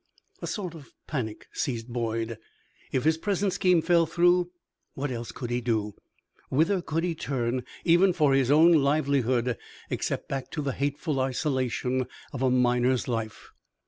A sort of panic seized Boyd. If his present scheme fell through, what else could he do? Whither could he turn, even for his own livelihood, except back to the hateful isolation of a miner's life?